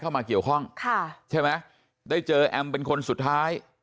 เข้ามาเกี่ยวข้องค่ะใช่ไหมได้เจอแอมเป็นคนสุดท้าย